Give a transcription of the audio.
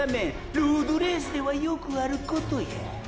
ロードレースではよくあることや。